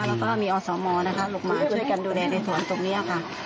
แล้วก็มีอสมนะคะลงมาช่วยกันดูแลในสวนตรงนี้ค่ะ